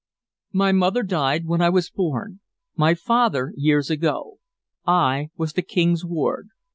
"My mother died when I was born; my father, years ago. I was the King's ward.